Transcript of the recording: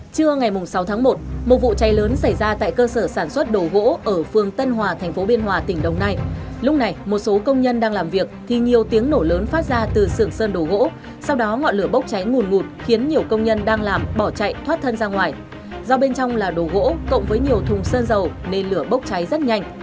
trưa ngày sáu tháng một một vụ cháy lớn xảy ra tại cơ sở sản xuất đồ gỗ ở phương tân hòa thành phố biên hòa tỉnh đồng nai lúc này một số công nhân đang làm việc thì nhiều tiếng nổ lớn phát ra từ sưởng sơn đồ gỗ sau đó ngọn lửa bốc cháy ngủn ngụt khiến nhiều công nhân đang làm bỏ chạy thoát thân ra ngoài do bên trong là đồ gỗ cộng với nhiều thùng sơn dầu nên lửa bốc cháy rất nhanh